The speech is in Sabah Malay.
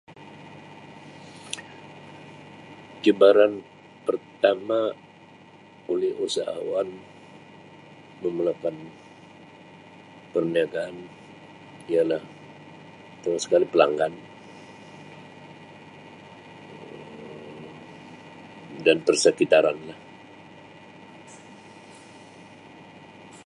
Cabaran pertama oleh usahawan memulakan perniagaan ialah pertama sekali pelanggan Um dan persekitaranlah.